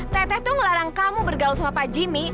teteh tuh ngelarang kamu bergaul sama pak jimmy